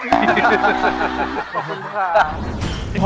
ขอบคุณค่ะ